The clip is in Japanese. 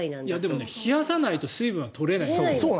でも冷やさないと水分は取れないんです。